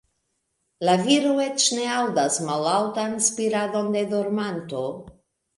La viro eĉ ne aŭdas mallaŭtan spiradon de dormanto.